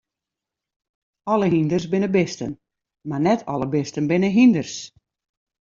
Alle hynders binne bisten, mar net alle bisten binne hynders.